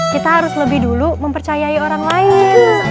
kita harus lebih dulu mempercayai orang lain